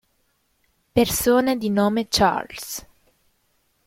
Persone di nome Charles